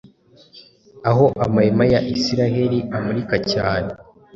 Aho amahema ya Isiraheli amurika cyane.